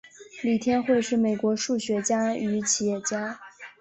李天惠是美国数学家与企业家。